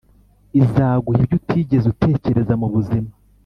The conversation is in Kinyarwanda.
Izaguha ibyo utigeze utekereza mubuzima